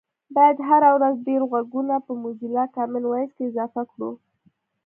باید هره ورځ ډېر غږونه په موزیلا کامن وایس کې اضافه کړو